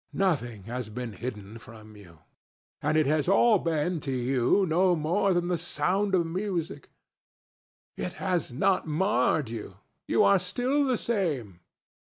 Nothing has been hidden from you. And it has all been to you no more than the sound of music. It has not marred you. You are still the same."